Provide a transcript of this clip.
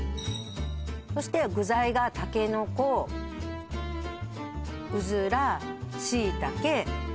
そして具材がたけのこうずらしいたけ